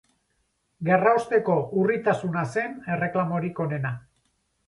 Gerraosteko urritasuna zen erreklamorik onena.